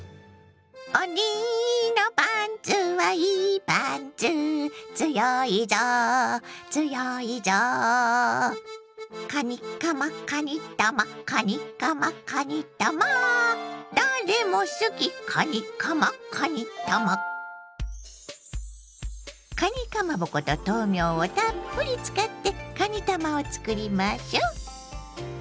おにのパンツはいいパンツつよいぞつよいぞカニカマかにたまカニカマかにたま誰も好きカニカマかにたまかにかまぼこと豆苗をたっぷり使ってかにたまをつくりましょう。